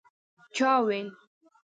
چا ویل